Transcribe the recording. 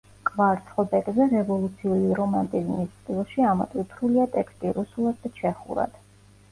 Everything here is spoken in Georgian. კვარცხლბეკზე რევოლუციური რომანტიზმის სტილში ამოტვიფრულია ტექსტი რუსულად და ჩეხურად.